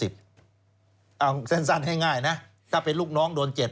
มันก็จะอาจจำกันให้ง่ายนะถ้าไปลูกน้องโดนเช็ด